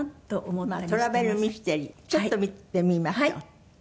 『トラベルミステリー』ちょっと見てみましょう。